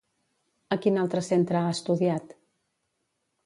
A quin altre centre ha estudiat?